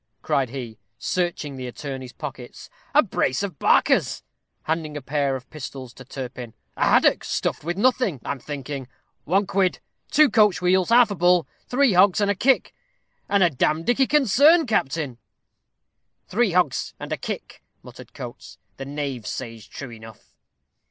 cried he, searching the attorney's pockets. "A brace of barkers," handing a pair of pistols to Turpin, "a haddock, stuffed with nothing, I'm thinking; one quid, two coach wheels, half a bull, three hogs, and a kick; a d d dicky concern, captain." "Three hogs and a kick," muttered Coates; "the knave says true enough."